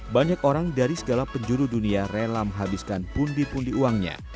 banyak orang dari segala penjuru dunia rela menghabiskan pundi pundi uangnya